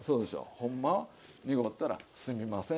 ほんまは濁ったら「すいません」